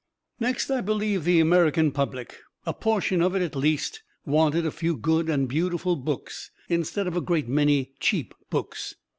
Next I believed the American public. A portion of it, at least, wanted a few good and beautiful books instead of a great many cheap books.